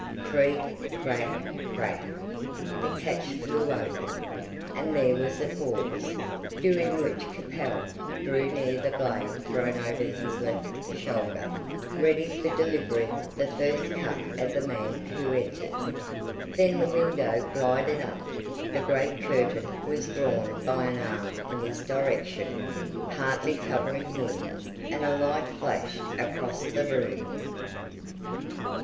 Creak Crack Crack! The catch flew back, and there was a pause, during which Capel drew near with the blade thrown over his left shoulder, ready for delivering the first cut at the man who entered. Then the window glided up, the great curtain was drawn by an arm in his direction, partly covering him, and a light flashed across the room.